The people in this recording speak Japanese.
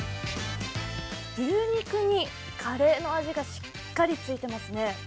牛肉にカレーの味がしっかりついていますね。